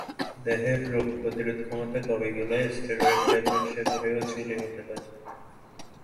দেহের রোগ প্রতিরোধক্ষমতা কমে গেলে, স্টেরয়েড ট্যাবলেট সেবনেও ছুলি হতে পারে।